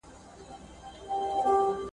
څه باندي درې میاشتي .